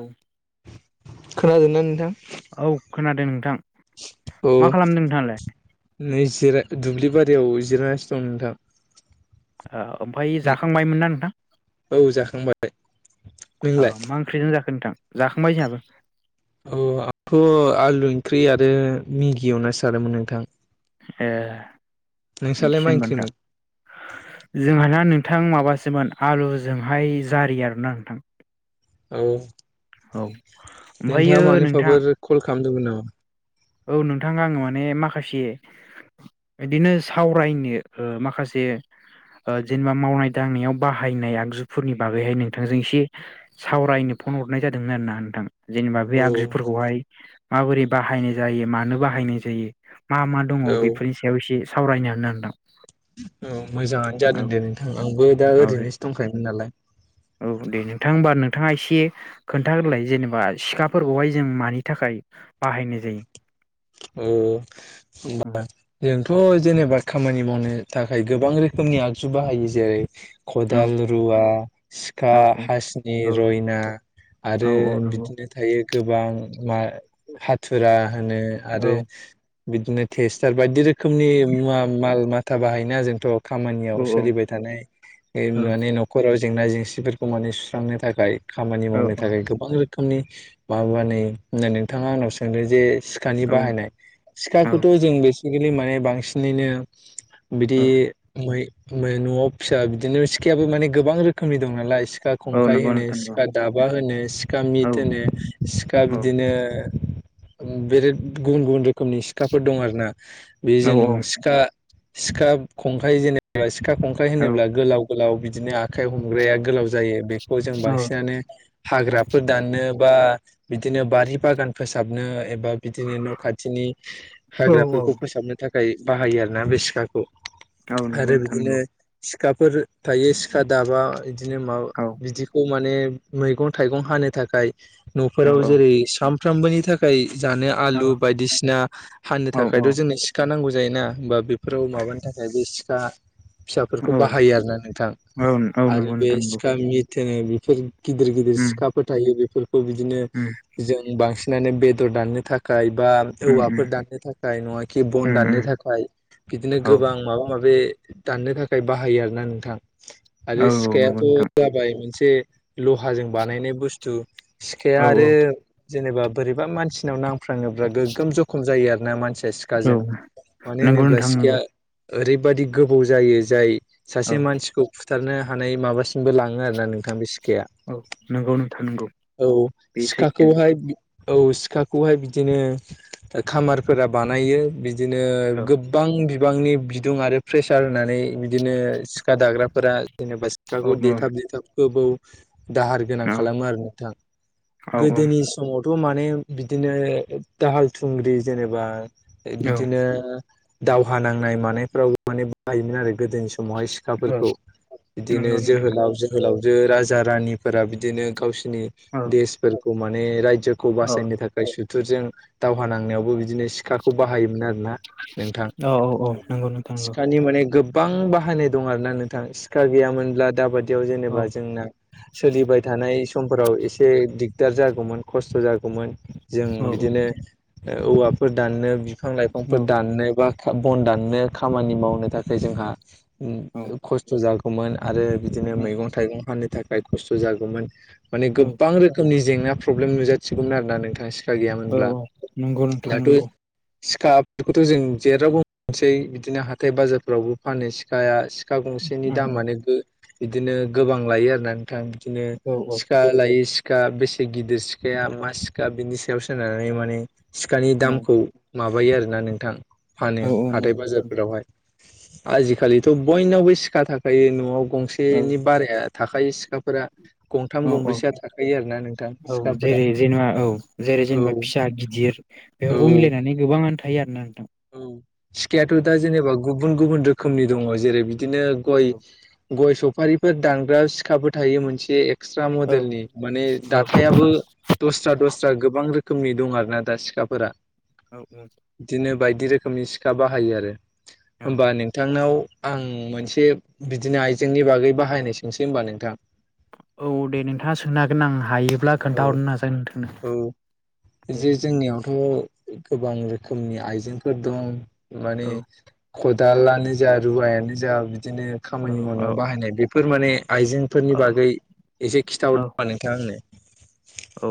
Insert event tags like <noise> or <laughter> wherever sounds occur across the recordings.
औ। खोनादोंना नोंथां? औ खोनादों नोंथां औ मा खालामदों नोंथाङालाय? नै जिराय दुब्लि बारियाव जिरायगासिनो दं नोंथां। ओ ओमफाय जाखांबायमोनना नोंथां? औ जाखांबाय औ नोंलाय? मा ओंख्रिजों जाखो नोंथां जाखांबाय जोंहाबो। औ आंथ' आलु ओंख्रि आरो मेगियावना जादोंमोन नोंथां। ए नोंसालाय मा <unintelligible> ओंख्रिमोन? जोंहा ना नों थां माबासोमोन आलुजोंहाय जारि आरोना नोंथां। औ औ नोंथाङा ओमफ्रायो नोंथां मानिफाफोर कल खालामदोंमोन नामा? औ नोंथां आङो माने माखासे इदिनो सावरायनो ओ माखासे ओ जेनेबा मावनाय दांनायाव बाहायनाय आगजुफोरनि बागैहाय नोंथांजों एसे सावरायनो फन हरनाय जादोंमोन आरो ना नोंथां। जेनेबा बे औ आगजुफोरखौहाय माबोरै बाहायनाय जायो मानो बाहायनाय जायो। मा मा दङ औ बेफोरनि सायाव एसे सावरायनो होन <unintelligible> औ मोजाङानो जादों दे नोंथां आंबो दा औ दे ओरैनोसो दंखायोमोन नालाय। औ दे नोंथां होमबा नों दे खोन्थाग्रोलाय जेनेबा सिखाफोरखौहाय जों मानि थाखाय बाहायनाय जायो? औ <unintelligible> थ' जेनेबा खामानि मावनो थाखाय गोबां रोखोमनि आगजु बाहायो जेरै औ खदाल रुवा सिखा औ हासिनि रयना औ आरो औ नंगौ बिदिनो थायो। गोबां मा हाथुरा होनो औ आरो बिदिनो टेस्टार बायदि रोखोमनि मुवा माल माथा बाहायोना जोंथ' औ खामानियाव सोलिबाय थानाय औ माने न'खराव जेंना जेंसिफोरखौ माने सुस्रांनो थाखाय खामानि औ मावनो थाखाय गोबां रोखोम खोमनि माब बा नै होननानै नोंथाङा आंनाव सोंदों जे खानि बाहायनाय औ सिखाखौथ' जों बेसिकेलि माने बांसिनैनो औ बिदि <unintelligible> न'आव फिसा बिदिनो सिखायाबो माने गोबां रोखोमनि दं नालाय। सिखा औ खंखाइ नंगौ होनो नोंथां नंगौ सिखा दाबा होनो सिखा औ मिट होनो सिखा औ बिदिनो बिराद गुबुन गुबुन रोखोमनि सिखाफोर दं आरो ना बे औ जों औ सिखा सिखा खंखाइ जेनेबा सिखा खंखाइ औ होनोब्ला गोलाव गोलाव बि दिनो आखाइ हमग्राया गोलाव जायो बेखौ जों बांसिनानो हाग्राफोर दाननो बा बिदिनो बारि बागान फोसाबनो एबा बिदिनो न' खाथिनि औ औ हाग्राफोरखौ फोसाबनो थाखाय बाहायो आरोना बे सिखाखौ। औ नंगौ आरो नोंथां बिदिनो नंगौ खाफोर थायो सिखा दाबा इदिनो माबा औ बिदिखौ माने मैगं थाइगं हानो थाखाय औ न'फोराव औ जेरै सानफ्रामबोनि थाखाय जानो औ आलु बायदिसिना हानो औ थाखायथ' औ जोंनो सिखा नांगौ जायोना। होमबा बेफोराव माबानि थाखाय बे सिखा फिसाफोरखौ औ बाहायो आरोना नोंथां औ आरो नंगौ बे नोंथां नंगौ सिखा मिट होनो बेफोर गिदिर गिदिर उम सिखाफोर थायो बेफोरखौ बिदिनो उम जों बांसिनानो बेदर दाननो थाखाय बा उम उम औवाफोर दाननो थाखाय नङा खि बन उम दाननो उम थाखाय बिदिनो औ गोबां माबा माबा बे दाननो थाखाय बाहायो आरोना नोंथां औ आरो नंगौ सिखायाथ' नोंथां जाबाय मोनसे से लहाजों बानायनाय बुस्थु सिखाया औ औ आरो जेनेबा बोरैबा मान सिनाव नांफ्राङोब्ला गोगोम जखम जायो आरो ना मानसि औ सिखाजों मानो नंगौ होनोब्ला नोंथां सिखाया नंगौ ओरैबादि गोबौ जायो जाय सासे औ मानसिखौ खुथारनो। हानाय माबासिमबो लाङो आरोना नोंथां बे सि खाया औ नंगौ नोंथां नंगौ औ बे सैथो सिखाखौहाय औ सिखाखौहाय बिदिनो खामारफोरा बानायो बि दिनो औ गोबां बिबांनि बिदुं आरो प्रेसार होनानै बिदिनो सिखा दाग्रा फोरा जेनेबा औ सिखाखौ देथाब देथाब गोबौ दाहार गोनां औ खालामो आरो नोंथां औ गोदोनि समावथ' माने बिदिनो दाहाल थुंग्रि जेनेबा औ बिदिनो दावहा नांनाय मानायफ्रावबो माने बाहायोमोन आरो गोदोनि समावहाय औ सिखाफोरखौ बिदिनो नंगौ नोंथां औ जोहोलाव जोहोलाव जो राजा रानिफोरा बिदिनो गावसिनि देसफोरखौ माने रायजो औ नि थाखाय सुथुरजों दावहा नांनायावबो बिदिनो सिखाखौ बाहायोमोन आरो। ना औ नोंथां औ नंगौ नोंथां नंगौ सिखानि माने गो बां बाहायनाय दं आरो ना नोंथां सिखा गैयामोनब्ला दाबादि दियाव औ जेनेबा जोंना सोलिबाय थानाय समफोराव एसे दिगदार जागौमोन खस्थ' जाग जागौमोन जों औ औ बिदिनो औवाफोर दाननो बिफां लाइफांफोर दाननो बा बन दाननो खामानि मावनो थाखाय जोंहा खस्थ' जागौमोन आरो बिदिनो मैगं थाइगं फाननो थाखाय खस्थ' जागौमोन माने औ गोबां रोखोमनि जेंना प्रब्लेम नुजा थिगौमोन आरोना नोंथाङा सिखा गैयामोनब्ला औ नंगौ नोंथां दाथ' नंगौ सिखाफोरखौथ' जों जेेरावबो मोनसै बिदिनो हाथाय बाजारफोरावबो फानो सिखाया सिखा गंसेनि औ दामानो बिदिनो गोबां लायो आरोना नोंथां बिदिनो औ औ सिखा लायि सिखा बेसे गिदिर सिखा सिखाया मा सिखा बिनि सायाव सोनानै माने सिखानि औ दामखौ माबायो आरोना नोंथां। फानो औ औ हाथाय नंगौ बाजारफोरावहाय आजिखालिथ' बयनावबो सिखा थाखायो न'आव औ गंसेनि बाराया थाखायो सिखाफोरा गंथाम औ गंब्रैसोआ थाखायो आरो ना नोंथां औ सिखाफोरा जेरै जेनेबा औ जेरै औ जेनेबा फिसा गिदिर बेफोरखौ औ मिलायनानै गोबाङानो थायो आरोना दा औ सिखायाथ' दा जेनेबा गुबुन गुबुन रोखोमनि द जेरै बिदिनो गय औ गय सफारिफोर दानग्रा सिखाबो थायो मोनसे एक्सट्रा औ मडेलनि माने औ दाथाइयाबो दस्रा दस्रा गोबां रोखोमनि दं आरोना दा सिखाफोरा। औ औ। बिदिनो बायदि रोखोमनि सिखा बाहायो आरो औ होमबा नोंथांनाव आं मोनसे बिदिनो आइजेंनि बागै बाहायनो सोंसै होनबा नोंथां? औ दे नोंथाङा सोंनो हागोन आं हायोब्ला औ खोन्थाहरनो नाजागोन नोंथांनो औ दे जे जोंनियाव थ' गोबां रोखोमनि आइजेंफोर दं माने औ खदालानो जा रुवायानो जा बिदिनो औ खामानि औ मावनायाव बाहायनाय बेफोर माने आइजेंफोरनि बागै एसे खिथा औ हरदो होनबा नोंथाङा आंनो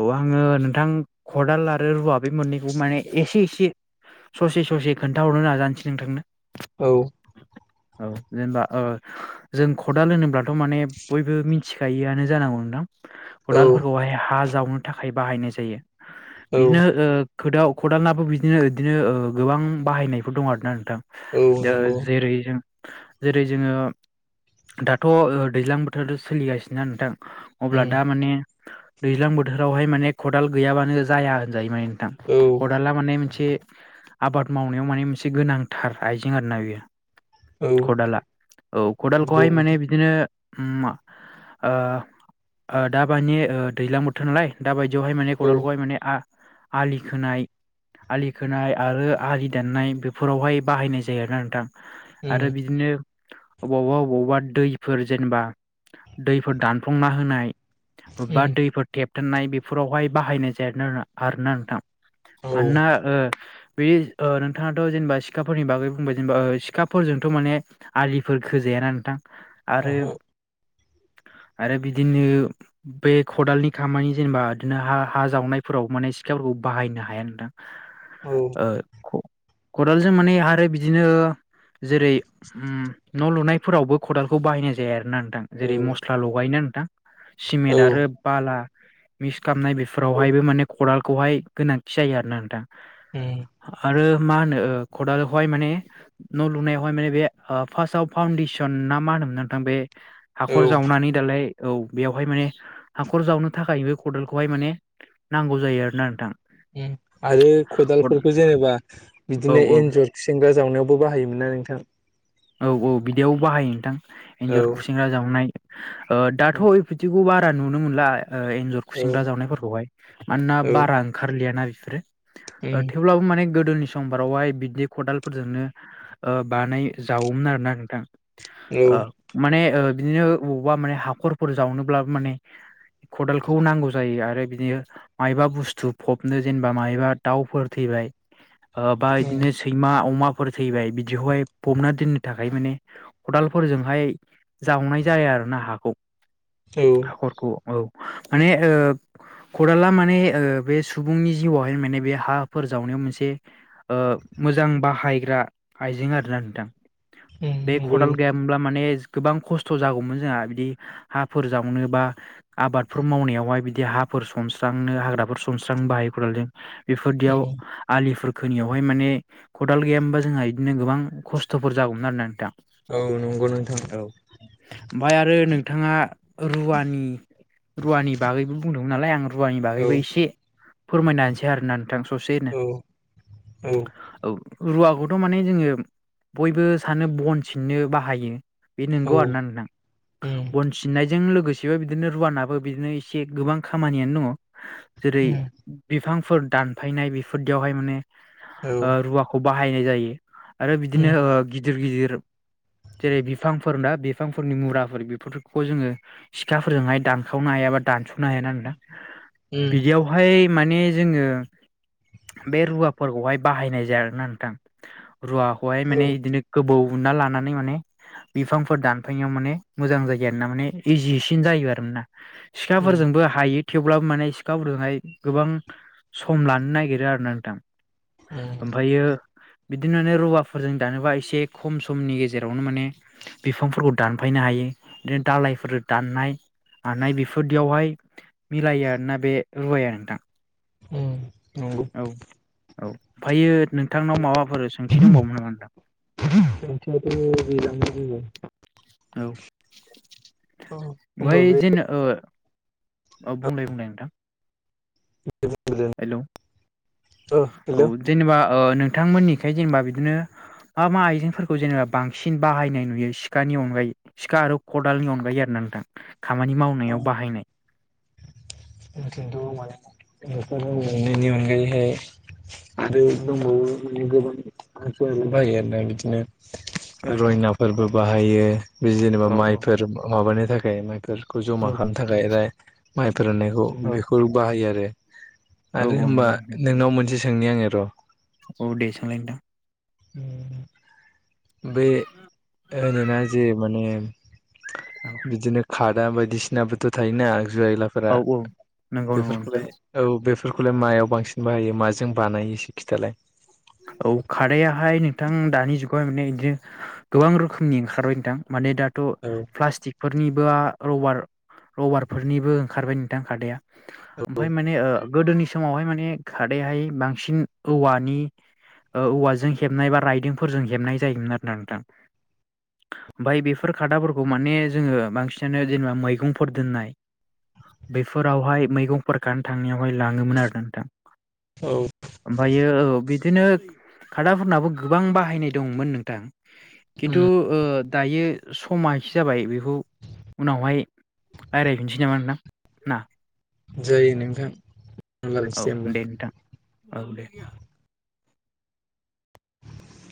औ आङो नोंथां खदाल आरो रुवा बे मोननैखौ माने एसे एसे ससे ससे खोनथाहरनो नाजानोसै नोंथांनो औ। औ जेनेबा ओ जों खदाल होनोब्लाथ' माने बयबो मिथिखायोआनो जानांगौ नोंथां। औ खदालफोरखौहाय हा जावनो थाखाय बाहायनाय जायो बिदिनो औ ओ खोदाव खदालाबो बिदिनो बिदिनो गोबां बाहायनायफोर दं आरोना नोंथां औ ओ नंगौ जेरै जों जेरै जोङो दाथ' दैज्लां बोथोर सोलिगासिनो नोंथां अब्ला उम दा माने दैज्लां बोथोरावहाय माने खदाल गैयाबानो जाया होनजायो माने नोंथां औ खदाला माने मोनसे आबाद मावनायाव माने मोनसे गोनांथार आइजें आरो ना बेयो औ खदाला औ खदालखौहाय नंगौ माने नोंथां बिदिनो ओम मा ओ ओ दा बानि दैलां बोथोर नालाय दा बाय दियावहाय माने औ खदालखौहाय माने आ आलि खोनाय आलि खोनाय आरो आलि दाननाय बेफोरावहाय बाहायनाय जायो आरोना नोंथां। उम आरो बिदिनो अबावबा -अबावबा दैफोर जेनेबा दैफोर दानफ्लंना होनाय बबेबा उम दैफोर थेबथेनाय बेफोरावहाय बाहायनाय जाया आरोना नोंथां। औ मोनोना ओ बि ओ नोंथाङाथ' जेनेबा सिखाफोरनि बागै बुंबाय जेनेबा ओ सिखाफोरजोंथ' माने आलिफोर खोजाया ना नोंथां आरो ओहो आरो बिदिनो बे खदालनि खामानि जेनेबा बिदिनो हा हा जावनायफोराव माने सिखाफोरखौ बाहायनो हाया नोंथां। औ ओ खदालजों माने आरो बिदिनो जेरै होम न' लुनायफोरावबो खदालखौ बाहायनाय जाया आरो ना नोंथां औ जेरै मस्ला लगायोना नोंथां औ सिमेन्ट आरो बाला मिक्स खामनाय औ बेफोरावहायबो माने खदालखौहाय गोनांथि जायो आरो ना नोंथां उम आरो मा होनो ओ खदालावहाय माने न' लुनायावहाय माने बे फार्सथाव फाउडेसन ना मा होनो नोंथां बे औ हाख'र जावनानै दालाय औ बेयावहाय माने हाखर जावनो थाखाय बे खदालखौहाय माने नांगौ जायो आरोना नोंथां। आरो खदालफोरखौ जेनेबा औ बिदिनो औ एन्जर खुसेंग्रा जावनायावबो बाहायोमोन ना नोंथां। औ औ बिदियाव बाहायो नोंथां एन्जर, औ खुसेंग्रा जावनाय ओ औ दाथ' बिथिखौ बारा नुनो मोनला ओं एन्जर औ खुसिंग्रा जावनायफोरखौहाय मानोना औ बारा ओंखारलियाना बिफोरो ओ थेवब्लाबो माने गोदोनि समफोरारावहाय बिददि खदाल फोरजोंनो ओ बानाय जावोमोन आरोना नोंथां औ उम औ ओ माने ओ बिदिनो बबावबा माने हाखरफोर जावनोब्ला माने ओ खदालखौ नांगौ जायो आरो बिदिनो मायबा बुस्थु फबनो जेनेबा मायबा दाउफोर थैबाय ओ बा बिदिनो सैमा अमाफोर थैबाय बिदिखौहाय फबना दोननो थाखाय माने खदालफोरजोंहाय जावनाय जायो आरो ना हाखौ। उम हाखरखौ औ माने ओ खदाला माने ओं बे सुबुंनि जिउआवहाय माने ओ बे हाफोर जावनायाव मोनसे ओ मोजां बाहायग्रा आइजें आरोना नोंथां बे नंगौ खदाल गैयामोनब्ला माने गोबां खस्थ' जागौमोन जोंहा बिदि हाफोर जावनो बा आबादफोर मावनायावहाय बिदि हा फोर सनस्रांनो हाग्राफोर सनस्रांनो हायो अदालतों। बेफोरदियाव उम आलिफोर खोनियावहाय माने खदाल गैया मोनबा जोंहा बिदिनो गोबां ख <unintelligible> औ नंगौ नोंथां। ओमफ्राय आरो नोंथाङा रुवानि रुवानि बागैबो बुंदोंमोन नालाय आं रुवानि औ बागैबो एसे फोरमायना होनसै आरोना नों थां ससेनो औ औ औ रुवाखौथ' माने जोङो बयबो सानो बन सिननो बाहायो बे उम औ नंगौ उम आरोना नोंथां उम बन सिननाय जों लोगोसेबो बिदिनो रुवानाबो बिदिनो एसे गोबां खामानियानो दङ। जेरै बिफांफोर दानफायनाय बेफोरदियावहाय माने औ ओ रुवाखौ बाहायनाय जायो आरो बिदिनो ओ गिदिर गिदिर जेरै बिफांफोर दा बिफांफोरनि मुराफोर बेफोरखौ जोङो सिखाफोरजोंहाय दानखावनो हायाबा दानस' नो हाया नोंथां। बिदियावहाय माने जोङो बे रुवाफोरखौहाय बाहायनाय जाया आरोना नोंथां रुवाखौहाय माने बिदिनो गोबौ उनना लानानै माने बिफांफोर दानफायनायाव माने मोजां जायो आरोना माने इजिसिन जायो आरो ना - उम सिखाफोरजोंबो हायो थेवब्लाबो माने सिखाफोरजोंहाय गोबां सम लानो नागिरो आरो ना नोंथां। उम ओमफ्रायो बिदिनो रुवा फोरजों दानोबा एसे खम समनि गेजेरावनो माने बिफांफोरखौ दानफायनो हायो माने दालाइ फोरो दाननाय मानाय बेफोरदियावहाय मिलायो आरोना बे रुवाया नोंथां। उम नंगौ। औ औ आमफायो नोंथांनाव माबाफोर सोंथि दंबावोमोन नामा नोंथां? सोंथियाथ' गैलामोन जेबो। औ औ बै होमबा बे जेनो ओ औ बुंलाय बुंलाय नोंथां। हेलौ ओ औ हेलौ जेनेबा ओ नोंथांमोननिखै जेनेबा बिदिनो मा मा आइजेंफोरखौ जेनेबा बांसिन बाहायनाय नुयो सिखानि अनगायै सिखा आरो खदालनि अनगायै नोथां खामानि ओ मावनायाव बाहायनाय। खिन्थु <unintelligible> अनगायैहाय- आरो दंबावो माने गोबां हाथियारबो बाहायो आरो ना औ बिदिनो। रयनाफोरबो बाहायो बे जेनेबा औ माइफोर माबानि थाखाय माइफोर। खौ जमा खामनो थाखाय <unintelligible> माइ फोराननायखौ औ बेखौ बाहायो आरो औ आरो औ होनबा नोंनाव मोनसे सोंनि आङो र'। अ दे सोंलाय नोंथां। उम बे होनोना जे माने बिदिनो खादा बायदिसिनाबोथ' थायो ना। <unintelligible> आइलाफोरा औ औ नंगौ नंगौ नोंथां। बेफोरखौलाय औ बे फोरखौलाय मायाव बांसिन बाहायो माजों बानायो एसे खिथालाय। औ खादाहाय नोंथां दानि जुगावहाय माने बिदिनो गोबां रोखोमनि ओंखारबाय नोंथां माने दा थ' औ प्लास्टिकफोरनिबो रबार रबारफोरनिबो ओंखारबाय नोंथां खादाया। औ ओमफाय माने ओ गोदोनि समावहाय माने खादाहाय बांसिन औवानि औवाजों हेबनाय बा राइदिंफोरजों हेबनाय जायोमोन आरो ना नोंथां। ओमफाय बेफोर खादाफोरखौ माने जोङो बांसिनानो जेनेबा मैगंफोर दोननाय बेफोरावहाय मैगंफोर खानो थांनायावहाय लाङोमोन आरो नोंथां। औ ओमफायो औ बि दिनो खादाफोरनाबो गोबां बाहायनाय दंमोन नोंथां। खिन्थु ओ दायो समा एसे जाबाय बेखौ उनावहाय रायलायहैफिनसै नामा नोंथां ना। जायो नोंथां। औ लायसै होमबा दे नोंथां औ दे।